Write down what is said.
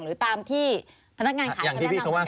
หรือตามที่พนักงานขายเขาแนะนำ